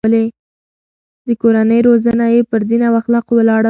د کورنۍ روزنه يې پر دين او اخلاقو ولاړه وه.